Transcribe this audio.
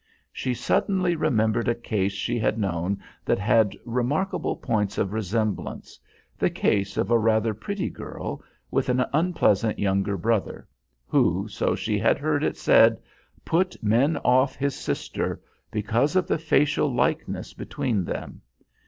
She suddenly remembered a case she had known that had remarkable points of resemblance the case of a rather pretty girl with an unpleasant younger brother who, so she had heard it said, "put men off his sister" because of the facial likeness between them.